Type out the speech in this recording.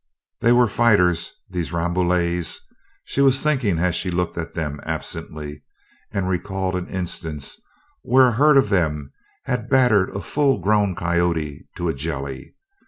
They were fighters, these Rambouillets, she was thinking as she looked at them absently, and recalled an instance where a herd of them had battered a full grown coyote to a jelly.